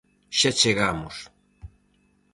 Xa chegamos!